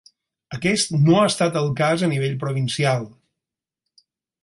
Aquest no ha estat el cas a nivell provincial.